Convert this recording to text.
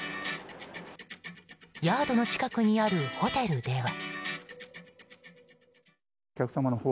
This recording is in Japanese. ヤードの近くにあるホテルでは。